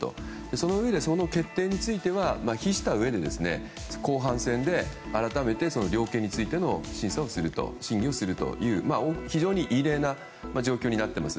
そのうえで、決定については後半戦で改めて量刑についての審議をするという非常に異例な状況になっています。